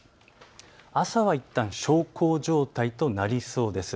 朝はいったん小康状態となりそうです。